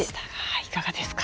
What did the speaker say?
いかがですか？